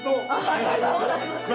ありがとうございます！